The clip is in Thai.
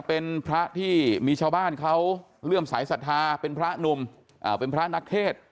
เป็นพระที่มีชาวบ้านเขาเลื่อมสายศรัทธาเป็นพระหนุ่มเป็นพระนักเทศ